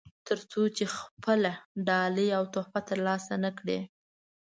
تر څو چې خپله ډالۍ او تحفه ترلاسه نه کړي.